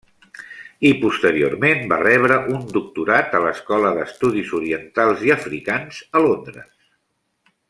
I posteriorment va rebre un doctorat a l'Escola d'Estudis Orientals i Africans a Londres.